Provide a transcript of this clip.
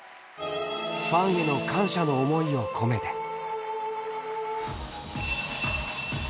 ファンへの感謝の思いを込めて。